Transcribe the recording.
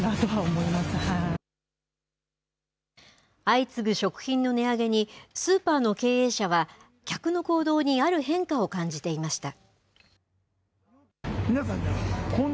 相次ぐ食品の値上げに、スーパーの経営者は、客の行動にある変化を感じていました。